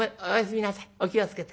お気を付けて。